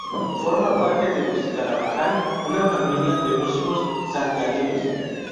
Forma parte de los Carabajal, una familia de músicos santiagueños.